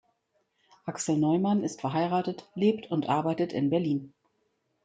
Axel Neumann ist verheiratet, lebt und arbeitet in Berlin.